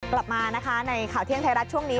กลับมานะคะในข่าวเที่ยงไทยรัฐช่วงนี้